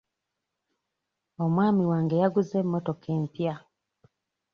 Omwami wange yaguze emmotoka empya.